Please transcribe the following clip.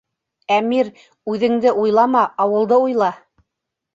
Әмир, үҙеңде уйлама, ауылды уйла!